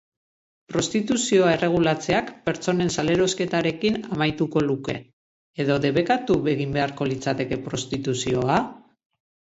Prostituzioa erregulatzeak pertsonen salerosketarekin amaituko luke edo debekatu egin beharko litzateke prostituzioa?